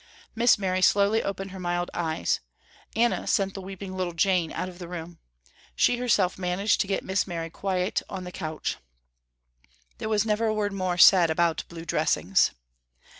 Miss Mary slowly opened her mild eyes. Anna sent the weeping little Jane out of the room. She herself managed to get Miss Mary quiet on the couch. There was never a word more said about blue dressings.